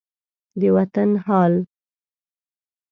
د وطن خان